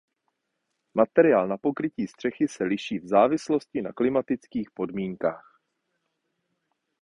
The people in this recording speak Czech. Materiál na pokrytí střechy se liší v závislosti na klimatických podmínkách.